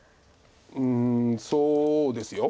うんそうですよ。